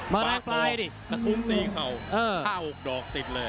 ปากปล่อยสะทุ่มตีเข่า๕๖ดอกติดเลย